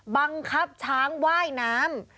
บังคับช้างว่ายน้ำ